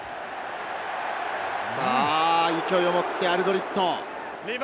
勢いを持ってアルドリット。